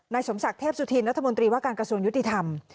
สมศักดิ์เทพสุธินรัฐมนตรีว่าการกระทรวงยุติธรรม